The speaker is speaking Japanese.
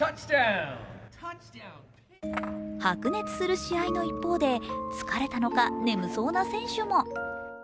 白熱する試合の一方で疲れたのか眠そうな選手も。